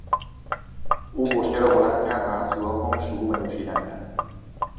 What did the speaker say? او بشکه را بلند کرد و از سوراخ آن شروع به نوشیدن کرد.